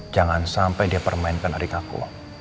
jangan sampai dia permainkan adik aku